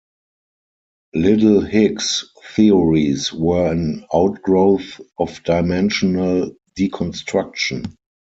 Little Higgs theories were an outgrowth of dimensional deconstruction.